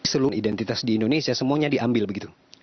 seluruh identitas di indonesia semuanya diambil begitu